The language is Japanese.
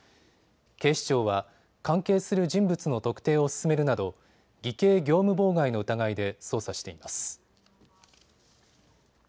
警視庁は関係する人物の特定を進めるなど偽計業務妨害の疑いで捜査しています。